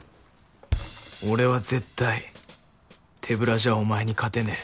俺は絶対手ぶらじゃお前に勝てねぇ。